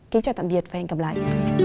kính chào tạm biệt và hẹn gặp lại